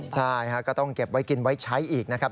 ใช่ก็ต้องเก็บไว้กินไว้ใช้อีกนะครับ